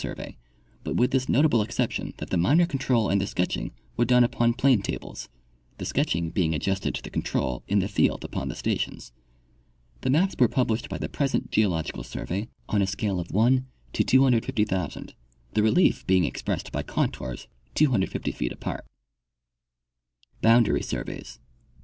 survey, but with this notable exception, that the minor control and the sketching were done upon planetables, the sketching being adjusted to the con trol in the field upon the stations. The maps were published by the present Geological survey on a scale of 1 : 250,000, the relief being expressed by contours 250 feet apart. Boundary Surveys.